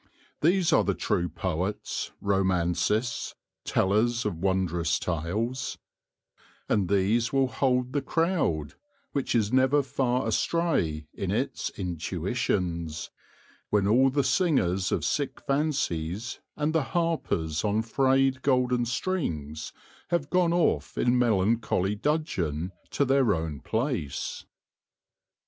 These are the true poets, romancists, tellers of wondrous tales ; and these will hold the crowd — which is never far astray in its intuitions— when all the singers of sick fancies and the harpers on frayed golden strings have gone off in melancholy dudgeon to their own place.